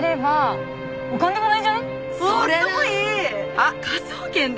あっ『科捜研』だ！